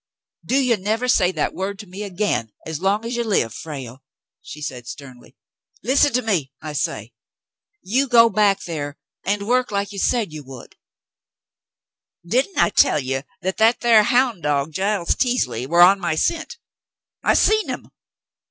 "Do you never say that word to me again as long as you live, Frale," she said sternly. " Listen at me, I say. You go back there and work like you said you would —" "Didn't I tell you that thar houn' dog Giles Teasley war on my scent ? I seen him.